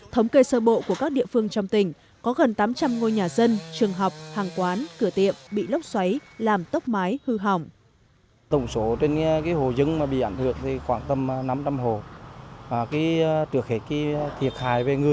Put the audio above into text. thống kê sơ bộ của các địa phương trong tỉnh có gần tám trăm linh ngôi nhà dân trường học hàng quán cửa tiệm bị lốc xoáy làm tốc mái hư hỏng